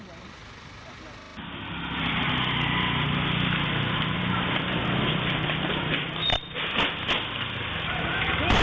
พี่บอสพี่บอส